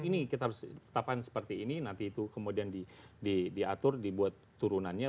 ini kita harus tetapkan seperti ini nanti itu kemudian diatur dibuat turunannya